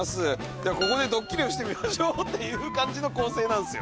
「ではここでどっきりをしてみましょう」っていう感じの構成なんですよ。